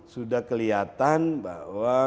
sudah kelihatan bahwa